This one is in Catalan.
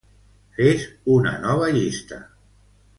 Fes una nova llista.